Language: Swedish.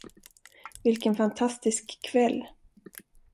Vilken fantastisk kväll.